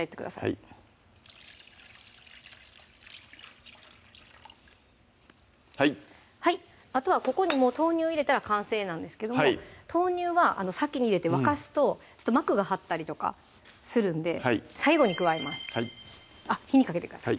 はいはいあとはここにもう豆乳入れたら完成なんですけども豆乳は先に入れて沸かすと膜が張ったりとかするんで最後に加えますはい火にかけてください